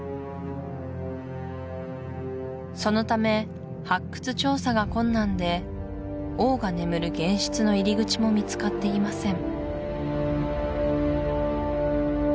そのため発掘調査が困難で王が眠る玄室の入り口も見つかっていません